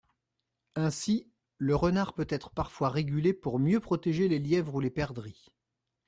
Ainsi, le renard peut être parfois régulé pour mieux protéger les lièvres ou les perdrix.